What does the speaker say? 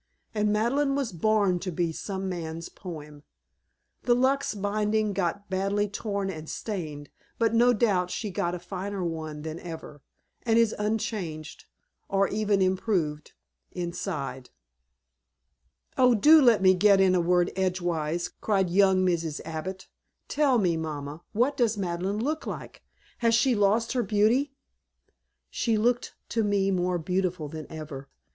And Madeleine was born to be some man's poem. The luxe binding got badly torn and stained, but no doubt she's got a finer one than ever, and is unchanged or even improved inside." "Oh, do let me get in a word edgeways," cried young Mrs. Abbott. "Tell me, Mamma what does Madeleine look like? Has she lost her beauty?" "She looked to me more beautiful than ever.